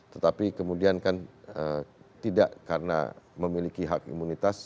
tetapi kemudian kan tidak karena memiliki hak imunitas